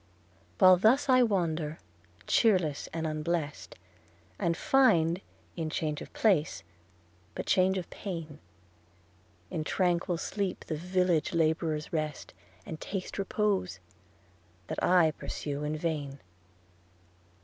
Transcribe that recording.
While thus I wander, cheerless and unblest, And find, in change of place, but change of pain; In tranquil sleep the village labourers rest, And taste repose, that I pursue in vain.